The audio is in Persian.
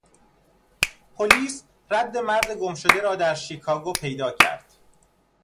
پلیس رد مرد گمشده را در شیکاگو پیدا کرد.